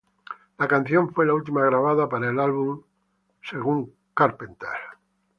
La canción fue la última grabada para el álbum, dice Carpenter.